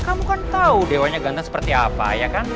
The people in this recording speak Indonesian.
kamu kan tau dewanya ganteng seperti apa ya kan